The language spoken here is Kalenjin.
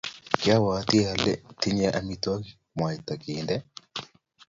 kiawatii ale tinye amitwokik mwaita kinde.